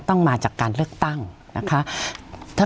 ต้องมาจากการเลือกตั้งนะคะ